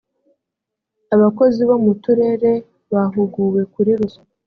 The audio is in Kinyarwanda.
abakozi bo mu turere bahuguwe kuri ruswa.